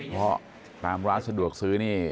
เพราะตามร้านสะดวกซื้อนี่